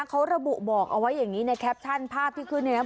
เขาระบุบอกเอาไว้อย่างนี้ในแคปชั่นภาพที่ขึ้นเนี่ยนะ